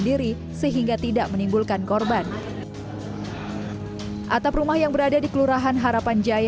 diri sehingga tidak menimbulkan korban atap rumah yang berada di kelurahan harapan jaya